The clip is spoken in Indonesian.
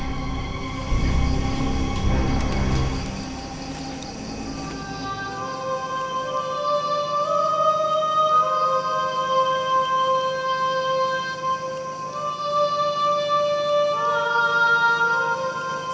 aku akan menang